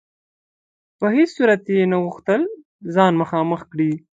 په هیڅ صورت یې نه غوښتل ځان مخامخ کړي.